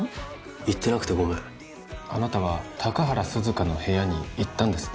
言ってなくてごめんあなたは高原涼香の部屋に行ったんですね？